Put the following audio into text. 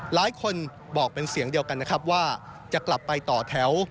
หลายคนบอกเป็นเสียงเดียวกันนะครับว่าจะกลับไปต่อแถว